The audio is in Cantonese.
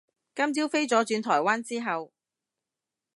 今朝飛咗轉台灣之後